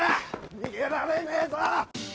逃げられねえぞ！